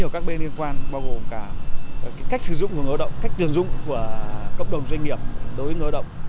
các trường dụng của cộng đồng doanh nghiệp đối với người lao động